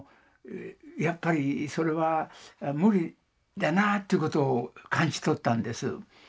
やっぱりそれは無理だなぁということを感じ取ったんです。